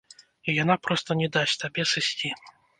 І яна проста не дасць табе сысці.